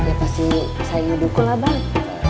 ya pasti sayang adukulah bang